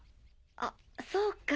あっそうか。